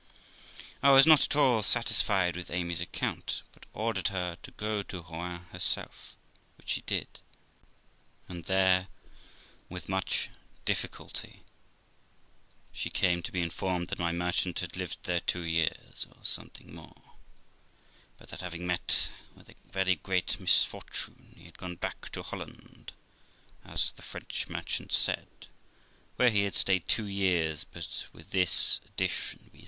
I was not at all satisfied with Amy's account, but ordered her to go to Rouen herself, which she did, and there, with much difficulty (the person she was directed to being dead) I say, with much difficulty she came to be informed that my merchant had lived there two years, or something more, but that, having met with a very great misfortune, he had gone back to Holland, as the French merchant said, where he had stayed two years; but with this addition, viz.